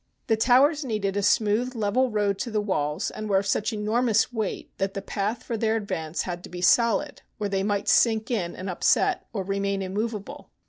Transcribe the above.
These towers needed a smooth level road to the walls, and were of such enormous weight that the path for their advance had to be solid or they might sink in and upset or remain immovable.